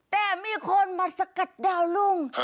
แต่มีคนมาสกัดดาวรุ่ง